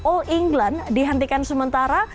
all england dihentikan sementara